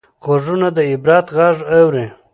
غوږونه د عبرت غږ اوري